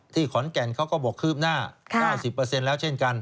ขอนแก่นเขาก็บอกคืบหน้า๙๐แล้วเช่นกัน